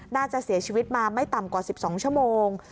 น่าจะเสียชีวิตมาไม่ต่ำกว่า๑๒ชั่วโมง